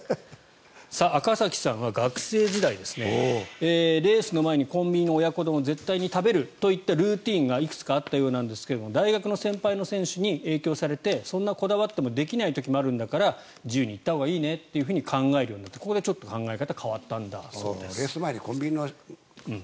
赤崎さんは学生時代レースの前にコンビニの親子丼を絶対に食べるといったルーティンがいくつかあったようなんですが大学の先輩選手に影響されてそんなこだわってもできない時もあるんだから自由にいったほうがいいねと考えるようになったとここで考え方が変わったということです。